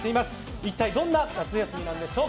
一体どんな夏休みなんでしょうか。